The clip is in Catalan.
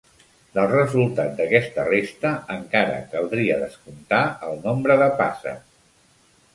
Del resultat d'aquesta resta encara caldria descomptar el nombre de passes.